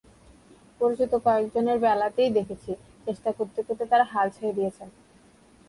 পরিচিত কয়েকজনের বেলাতেই দেখেছি, চেষ্টা করতে করতে তাঁরা হাল ছেড়ে দিয়েছেন।